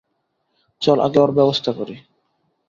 চল আগে ওর ব্যবস্থা করি।